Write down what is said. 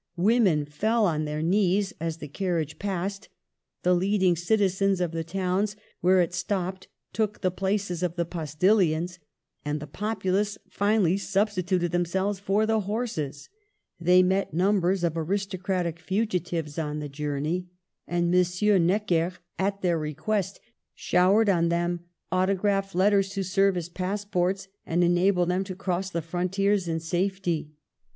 Women fell on their knees as the carriage passed ; the leading citizens of the towns where it stopped took the places of the postilions, and the populace finally substituted themselves for the horses. They met numbers pf aristocratic fugitives on the journey, and M. Digitized by VjOOQLC NECKEKS SHORT LIVED TRIUMPH. 49 Necker, at their request, showered on them auto graph letters to serve as passports and enable them to cross the frontiers in safety.